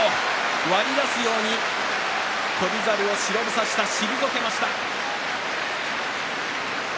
割り出すように翔猿を白房下、退けました。